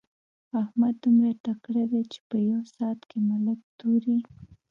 احمد دومره تکړه دی چې په يوه ساعت کې ملک توري.